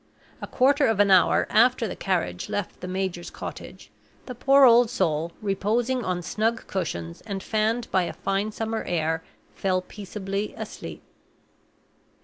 A quarter of an hour after the carriage left the major's cottage, the poor old soul, reposing on snug cushions, and fanned by a fine summer air, fell peaceably asleep.